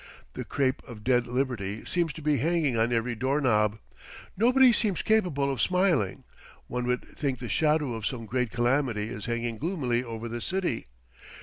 The crape of dead liberty seems to be hanging on every door knob. Nobody seems capable of smiling; one would think the shadow of some great calamity is hanging gloomily over the city.